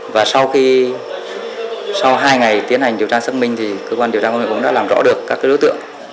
và sau hai ngày tiến hành điều tra xác minh công an huyện crono đã làm rõ được các đối tượng